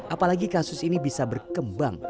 apalagi kasus ini bisa berkembang